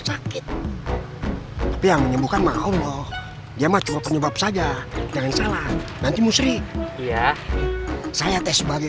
sakit yang menyembuhkan mauloh dia macet penyebab saja jangan salah nanti musri iya saya teks sebagai